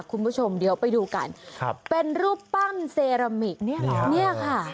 คุณผู้ชมเดี๋ยวไปดูกันเป็นรูปปั้นเซรามิกนี่ค่ะ